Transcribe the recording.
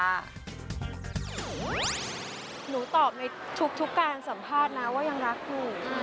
หนูตอบในทุกการสัมภาษณ์นะว่ายังรักอยู่